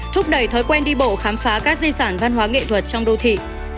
thúc đẩy thói quen đi bộ khám phá các di sản văn hóa nghệ thuật trong đô thị